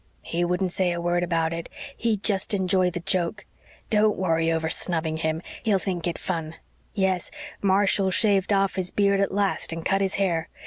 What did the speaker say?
"He wouldn't say a word about it he'd just enjoy the joke. Don't worry over snubbing him he'll think it fun. Yes, Marshall's shaved off his beard at last and cut his hair.